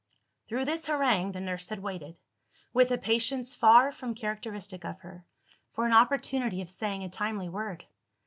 Through this harangue, the nurse had waited, with a patience far from characteristic of her, for an opportunity of saying a timely word.